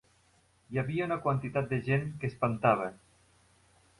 Hi havia una quantitat de gent que espantava.